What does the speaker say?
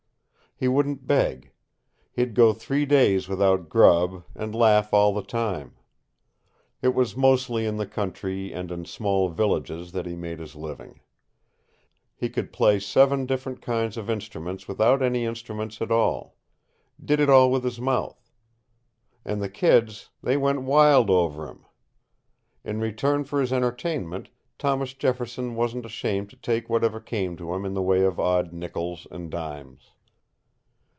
He wouldn't beg. He'd go three days without grub, and laugh all the time. It was mostly in the country and in small villages that he made his living. He could play seven different kinds of instruments without any instruments at all. Did it all with his mouth. And the kids they went wild over him. In return for his entertainment, Thomas Jefferson wasn't ashamed to take whatever came to him in the way of odd nickels and dimes.